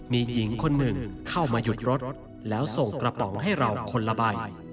มีหญิงคนหนึ่งเข้ามาหยุดรถแล้วส่งกระป๋องให้เราคนละใบ